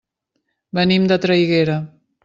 Venim de Traiguera.